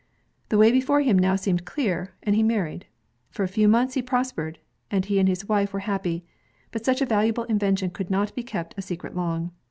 The way before him now seemed clear, and he married. For a few months he prospered, and he and his wife were happy. But such a valuable invention could not be kept a secret long.